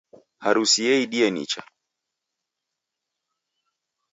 Harusi yaidie nicha